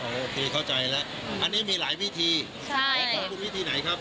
โอเคเข้าใจแล้วอันนี้มีหลายวิธีของเขามีวิธีไหนครับ